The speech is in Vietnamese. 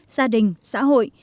gia đình xã hội